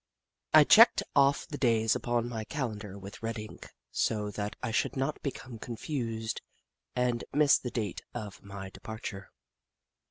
I checked off the days upon my calendar with red ink, so that I should not become confused and miss the date of my departure.